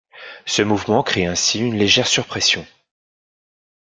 Ce mouvement crée ainsi une légère surpression.